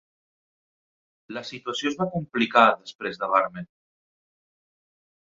La situació es va complicar després de Barmen.